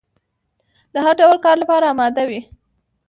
د هر ډول کار لپاره اماده وي.